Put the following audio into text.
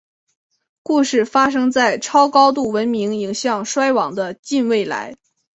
故事发生在超高度文明迎向衰亡的近未来。